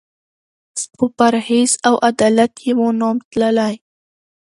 په پرهېز او عدالت یې وو نوم تللی